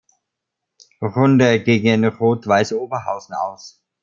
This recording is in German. Runde gegen Rot-Weiß Oberhausen aus.